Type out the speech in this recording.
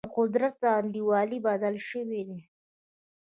د قدرت انډول بدل شوی دی.